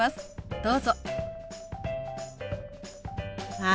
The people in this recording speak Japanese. どうぞ。